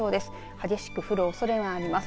激しく降るおそれがあります。